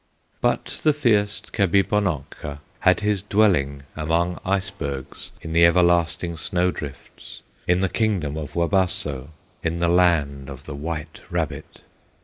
But the fierce Kabibonokka Had his dwelling among icebergs, In the everlasting snow drifts, In the kingdom of Wabasso, In the land of the White Rabbit.